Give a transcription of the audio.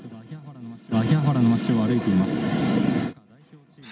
秋葉原の街を歩いています。